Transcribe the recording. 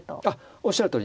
おっしゃるとおり。